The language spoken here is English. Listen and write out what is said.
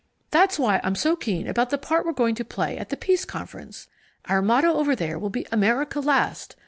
That's why I'm so keen about the part we're going to play at the Peace Conference. Our motto over there will be America Last!